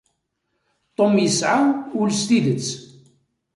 Tom yesεa ul s tidet.